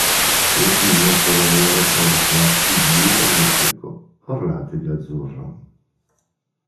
Le pinne sono nere con riflessi blu elettrico, orlate di azzurro.